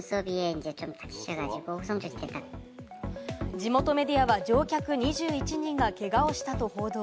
地元メディアは、乗客２１人がけがをしたと報道。